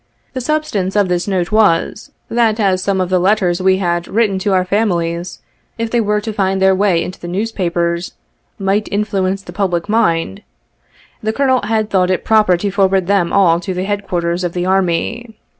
The substance of this note was, that as some of the letters we had written to our families, if they were to find their way into the newspapers, 'might influence the public mind,' the Colonel had thought it proper to forward them all to the headquarters of the army.